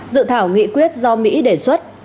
dự thảo nghị quyết do mỹ đề xuất